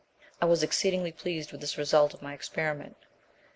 I was exceedingly pleased with this result of my experiment.